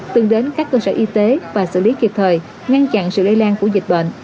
từng đến các cơ sở y tế và xử lý kịp thời ngăn chặn sự lây lan của dịch bệnh